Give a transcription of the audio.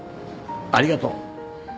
ありがとう。